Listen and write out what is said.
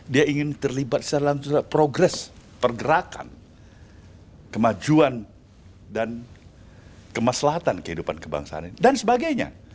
dia ingin terlibat secara langsung progres pergerakan kemajuan dan kemaslahatan kehidupan kebangsaan ini dan sebagainya